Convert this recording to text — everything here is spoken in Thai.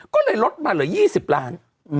ก็เลยลดมาเหลือ๒๐ล้าน